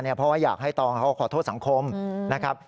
เพราะว่าอยากให้ตองเขาขอโทษสังคมนะครับ